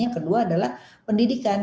yang kedua adalah pendidikan